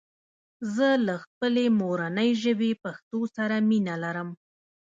زه له خپلي مورني ژبي پښتو سره مينه لرم